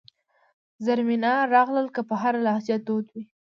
زرمینه راغلل که په هره لهجه دود وي.